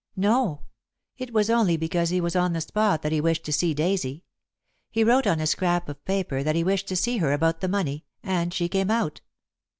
"No. It was only because he was on the spot that he wished to see Daisy. He wrote on a scrap of paper that he wished to see her about the money, and she came out."